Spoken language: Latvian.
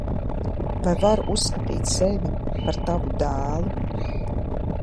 Vai varu uzskatīt sevi par tavu dēlu?